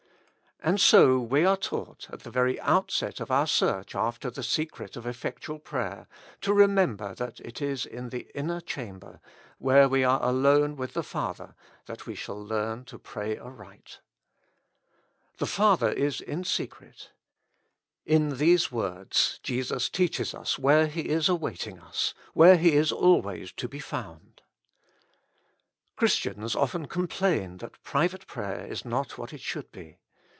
And so we are taught, at the very outset of our search after the secret of effectual prayer, to remember that it is in the inner chamber, where we are alone with the Father, that we shall learn to pray aright. The Father is in secret ; in these words Jesus teaches us where 26 With Christ in the School of Prayer. He is waiting us, where He is always to be found. Christians often complain that private prayer is not what it should be.